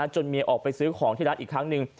เมียออกไปซื้อของที่ร้านอีกครั้งหนึ่ง